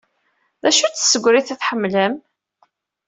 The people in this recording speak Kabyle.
D acu-tt tsegrit ay tḥemmlem?